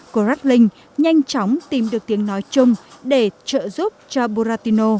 gratling nhanh chóng tìm được tiếng nói chung để trợ giúp cho buratino